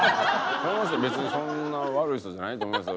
この人別にそんな悪い人じゃないと思いますよ。